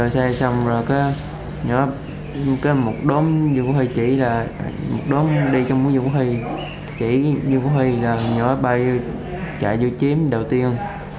chỉ như có huy là nhỏ bay chạy vô chiếm đầu tiên